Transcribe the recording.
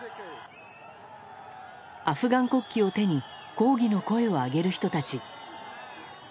アフガン国旗を手に抗議の声を上げる人たち。